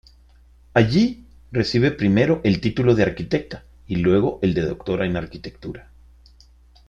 Allí recibe primero el título de arquitecta y luego el de Doctora en arquitectura.